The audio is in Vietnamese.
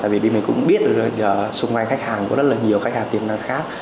mình cũng biết là xung quanh khách hàng có rất là nhiều khách hàng tiềm năng khác